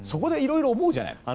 そこで、いろいろ思うじゃない。